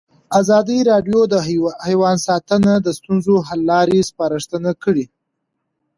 ازادي راډیو د حیوان ساتنه د ستونزو حل لارې سپارښتنې کړي.